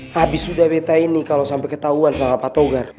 habis sudah beta ini kalau sampai ketahuan sama pak togar